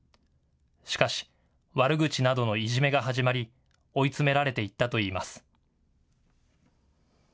しかし悪口などのいじめが始まり追い詰められていったといいます。